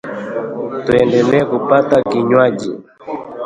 Tuendelee kupata kinywaji